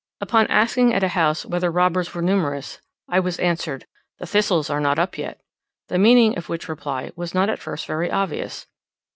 Upon asking at a house whether robbers were numerous, I was answered, "The thistles are not up yet;" the meaning of which reply was not at first very obvious.